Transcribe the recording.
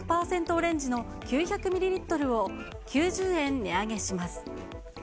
オレンジの９００ミリリットルを９０円値上げします。